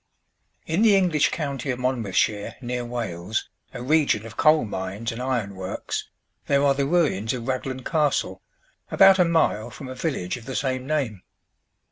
In the English county of Monmouthshire, near Wales, a region of coal mines and iron works, there are the ruins of Raglan Castle, about a mile from a village of the same name.